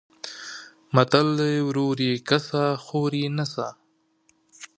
متل دی: ورور یې کسه خور یې نسه.